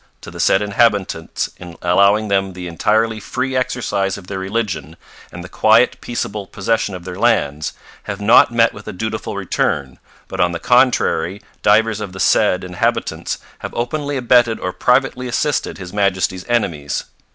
to the said inhabitants in allowing them the entirely free exercise of their religion and the quiet peaceable possession of their lands, have not met with a dutiful return, but on the contrary, divers of the said inhabitants have openly abetted or privately assisted His Majesty's enemies